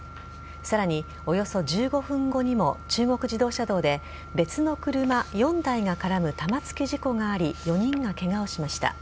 さらに、およそ１５分後にも中国自動車道で別の車４台が絡む玉突き事故があり４人がケガをしました。